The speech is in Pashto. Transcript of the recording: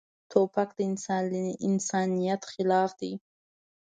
توپک د انسانیت خلاف دی.